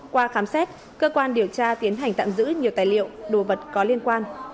qua khám xét cơ quan điều tra tiến hành tạm giữ nhiều tài liệu đồ vật có liên quan